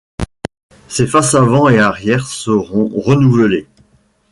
Ses faces avant et arrière seront renouvelées.